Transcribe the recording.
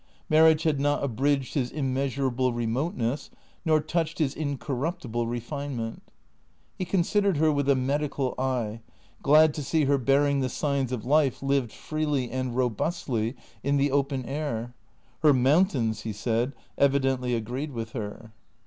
Marriage had not abridged his immeasurable remoteness, nor touched his incor ruptible refinement. He considered her with a medical eye, glad to see her bearing the signs of life lived freely and robustly in the open air. Her mountains, he said, evidently agreed with her.